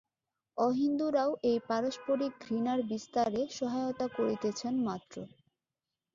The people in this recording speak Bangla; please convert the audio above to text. অহিন্দুরাও এই পারস্পরিক ঘৃণার বিস্তারে সহায়তা করিতেছেন মাত্র।